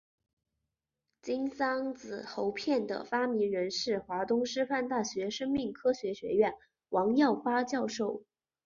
金嗓子喉片的发明人是华东师范大学生命科学学院王耀发教授。